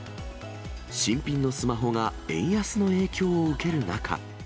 新品のスマホが円安の影響を受ける中。